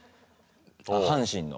阪神の。